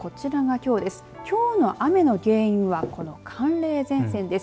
きょうの雨の原因はこの寒冷前線です。